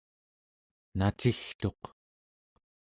nacigtuq